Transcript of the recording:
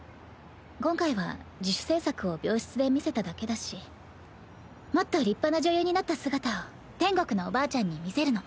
今回は自主制作を病室で見せただけだしもっと立派な女優になった姿を天国のおばあちゃんに見せるの。